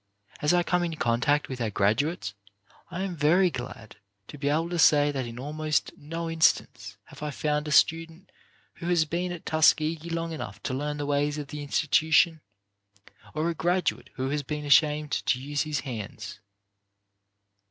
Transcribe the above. As I come in contact with our graduates, I am very glad to be able to say that in almost no instance have I found a student who has been at Tuskegee long enough to learn the ways of the institution, or a graduate who has been ashamed to use his hands.